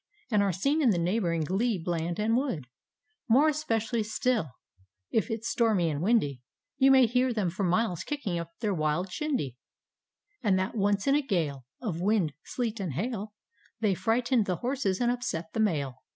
And are seen in the neighboring glebe land and wood; More especially still, if it's stormy and windy. You may hear them for miles kicking up dieir wild shindy ; And that once in a gale Of wind, sleet and hail They frighten'd the horses and upset the mail.